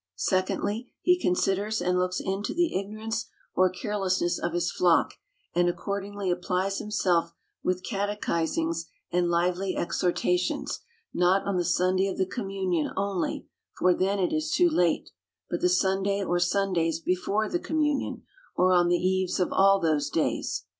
— Secondly, he considers and looks into the ignorance or carelessness of his flock, and accord ingly applies himself with catechisings and lively exhor tations, not on the Sunday of the communion only (for then it is too late), but the Sunday, or Sundays, before the communion ; or on the eves of all those days.